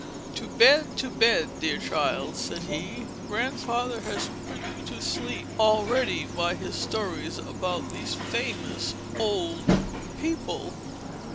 "To bed, to bed, dear child!" said he. "Grandfather has put you to sleep, already, by his stories about these FAMOUS OLD PEOPLE!"